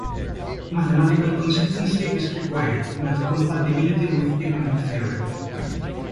Mathematical consistency is required, not compatibility with economic theory.